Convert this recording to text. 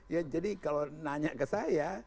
ya jadi kalau nanya ke saya